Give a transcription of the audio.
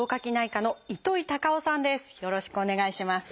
よろしくお願いします。